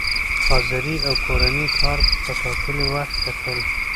حاضري او کورني کار په ټاکلي وخت کتل،